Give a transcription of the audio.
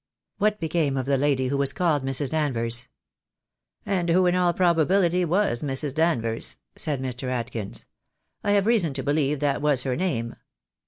"What became of the lady who was called Mrs. Danvers?" "And who in all probability was Mrs. Danvers," said Mr. Adkins. "I have reason to believe that was her name.